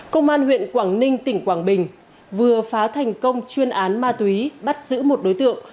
công an huyện quảng ninh tỉnh quảng bình vừa phá thành công chuyên án ma túy bắt giữ một đối tượng